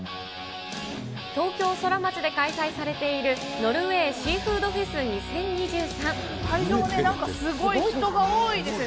東京ソラマチで開催されているノルウェーシーフードフェス会場ね、なんか人がすごい多いですね。